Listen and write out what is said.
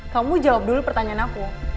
kamu jawab dulu pertanyaan aku